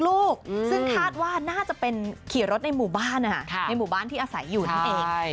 ลูกซึ่งคาดว่าน่าจะเป็นขี่รถในหมู่บ้านในหมู่บ้านที่อาศัยอยู่นั่นเอง